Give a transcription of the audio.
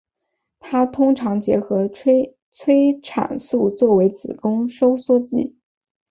它通常结合催产素作为子宫收缩剂。